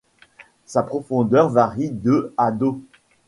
Sa profondeur varie de à d'eau.